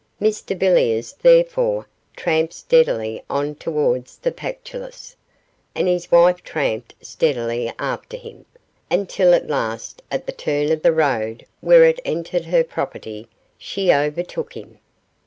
Mr Villiers, therefore, tramped steadily on towards the Pactolus, and his wife tramped steadily after him, until at last, at the turn of the road where it entered her property, she overtook him.